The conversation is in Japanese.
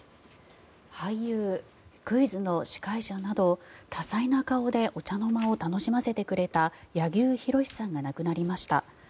俳優、クイズの司会者など多彩な顔でお茶の間を楽しませてくれた柳生博さんが亡くなりました。